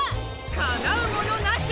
かなうものなし！